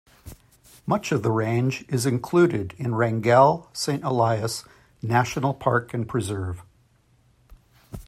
Much of the range is included in Wrangell-Saint Elias National Park and Preserve.